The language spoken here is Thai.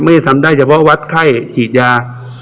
ไม่ได้ทำได้เฉพาะวัดไข้ฉีดยา